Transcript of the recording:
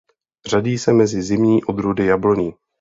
Řadí se mezi zimní odrůdy jabloní.